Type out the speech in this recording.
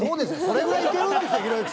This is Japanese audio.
それぐらい行けるんですよ